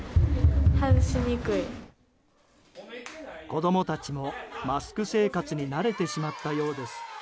子供たちもマスク生活に慣れてしまったようです。